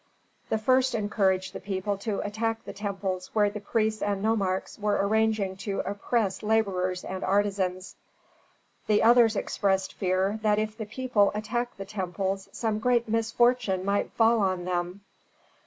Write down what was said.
The first encouraged the people to attack the temples where the priests and nomarchs were arranging to oppress laborers and artisans; the others expressed fear that if the people attacked the temples some great misfortune might fall on them.